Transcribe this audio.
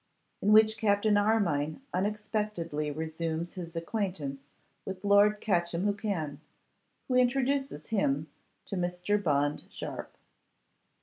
_In Which Captain Armine Unexpectedly Resumes His Acquaintance with Lord Catchimwhocan, Who Introduces Him to Mr. Bond Sharpe_.